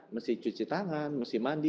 mesti cuci tangan mesti mandi